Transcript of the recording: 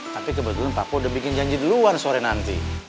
tapi kebetulan papa udah bikin janji duluan sore nanti